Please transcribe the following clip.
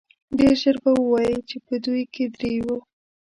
ډېر ژر به ووايي په دوی کې درې وو.